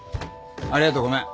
ありがとう。ごめん。